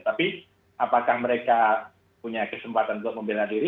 tapi apakah mereka punya kesempatan untuk membela diri